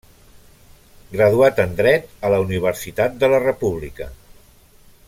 Graduat en Dret a la Universitat de la República.